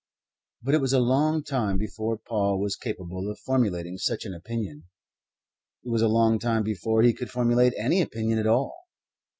But it was a long time before Paul was capable of formulating such an opinion. It was a long time before he could formulate any opinion at all.